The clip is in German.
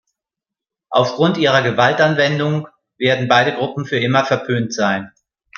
Aufgrund ihrer Gewaltanwendung werden beide Gruppen für immer verpönt sein.